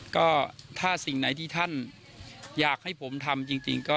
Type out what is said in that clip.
ก็ถ้าสิ่งไหนที่ท่านอยากให้ผมทำจริงก็